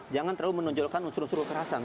jangan terlalu menonjolkan unsur unsur kekerasan